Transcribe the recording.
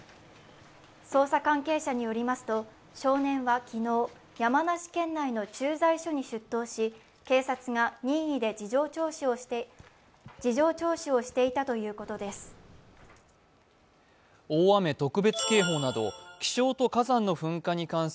捜査関係者によりますと、少年は昨日、山梨県内の駐在所に出頭し、警察が任意で事情聴取をしていたということです。